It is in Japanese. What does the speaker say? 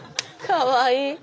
かわいい。